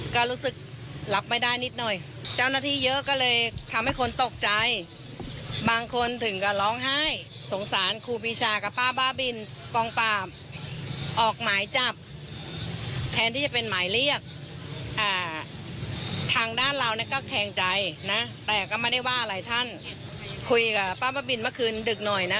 คุยกับป้าบิลเมื่อคืนดึกหน่อยนะ